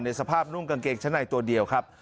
ในสภาพนุ่มกางเกงชะไหนตัวเดียวครับ